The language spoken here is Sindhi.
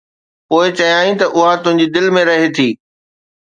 پوءِ چيائين ته اها تنهنجي دل ۾ رهي ٿي.